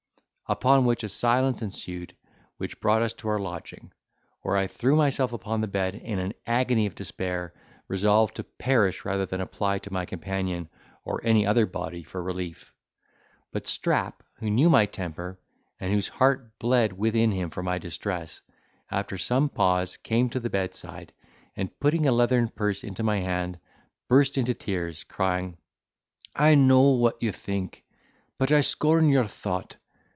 Upon which a silence ensued, which brought us to our lodging, where I threw myself upon the bed in an agony of despair, resolved to perish rather than apply to my companion, or any other body, for relief; but Strap, who knew my temper, and whose heart bled within him for my distress, after some pause came to the bedside, and, putting a leathern purse into my hand, burst into tears, crying, "I know what you think, but I scorn your thought.